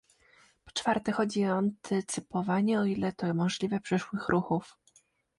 Po czwarte chodzi o antycypowanie, o ile to możliwe, przyszłych ruchów